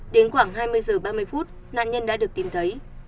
đến khoảng hai mươi h ba mươi phút nạn nhân đã được tìm thấy